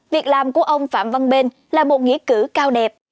việc làm của ông phạm văn bên là một nghĩa cử cao đẹp